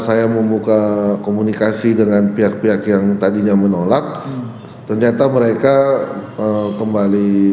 saya membuka komunikasi dengan pihak pihak yang tadinya menolak ternyata mereka kembali